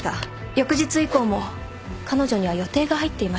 翌日以降も彼女には予定が入っていました。